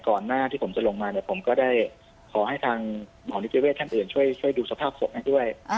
หน้าที่ผมจะลงมาเนี่ยผมก็ได้ขอให้ทางหมอนิติเวศท่านอื่นช่วยดูสภาพศพให้ด้วย